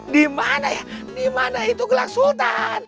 dimana itu gelang sultan